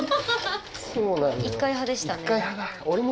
１回派でしたね。